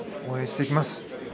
応援しています。